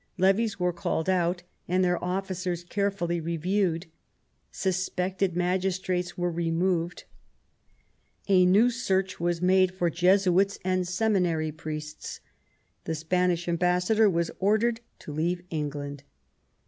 Levies were called out, and their officers carefully reviewed. Suspected magistrates were removed. A new gearcb was made for J^syits and seminary 3IO QUEEN ELIZABETH. priests. The Spanish ambassador was ordered to leave England.